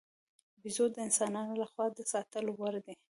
بیزو د انسانانو له خوا د ساتلو وړ دی.